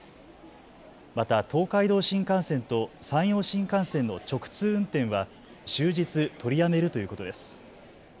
また東海道新幹線と山陽新幹線の直通運転は終日、取りやめるということです。